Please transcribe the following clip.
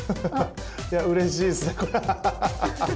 いやうれしいですねこれ。